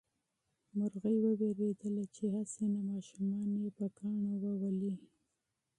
مرغۍ وېرېدله چې هسې نه ماشومان یې په کاڼو وولي.